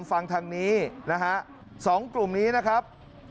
ฟังทางนี้นะฮะ๒กลุ่มนี้นะครับ